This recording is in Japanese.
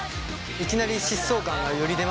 いきなり疾走感がより出ますもんね。